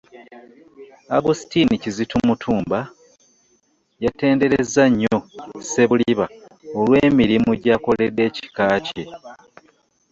Augustine Kizito Mutumba, yatenderezza nnyo Ssebuliba olw'emirimu gyakoledde ekika kye.